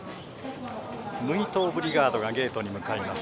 ムイトオブリガードがゲートに向かいます。